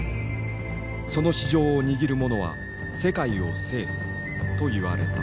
その市場を握る者は世界を制すといわれた。